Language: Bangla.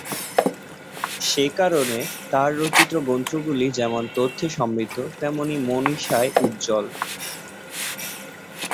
সেকারণে, তার রচিত গ্রন্থগুলি যেমন তথ্যে সমৃদ্ধ, তেমনই মনীষায় উজ্জ্বল।